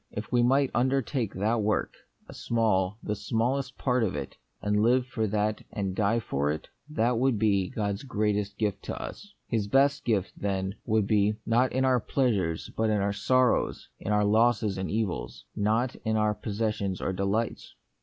If we might undertake that work, a small, the smallest, part of it, and live for that and die for it, that would be God's great est gift to us. His best gift, then, would be, not in our pleasures but in our sorrows ; in our losses and evils, not in our possessions or delights.